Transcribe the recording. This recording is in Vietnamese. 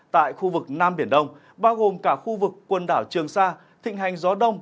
tại khu vực nam biển đông bao gồm cả khu vực quần đảo trường sa thịnh hành gió đông